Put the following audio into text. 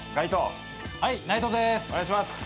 お願いします。